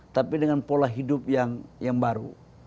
tapi dengan pola hidup yang baru